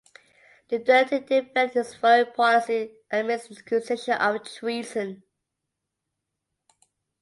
Duterte defended his foreign policy amidst accusation of treason.